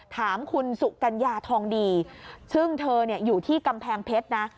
ถามคุณสุกัญญาทองดีซึ่งเธออยู่ที่กำแพงเพชรนะ